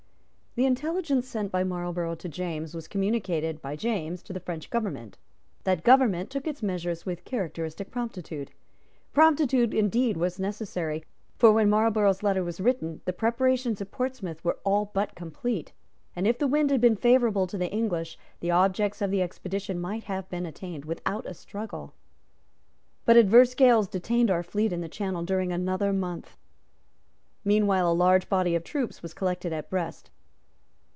The intelligence sent by Marlborough to James was communicated by James to the French government. That government took its measures with characteristic promptitude. Promptitude was indeed necessary; for, when Marlborough's letter was written, the preparations at Portsmouth were all but complete; and, if the wind had been favourable to the English, the objects of the expedition might have been attained without a struggle. But adverse gales detained our fleet in the Channel during another month. Meanwhile a large body of troops was collected at Brest.